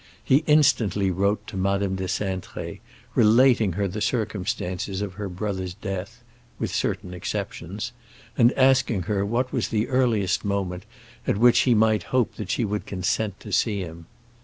He instantly wrote to Madame de Cintré, relating to her the circumstances of her brother's death—with certain exceptions—and asking her what was the earliest moment at which he might hope that she would consent to see him.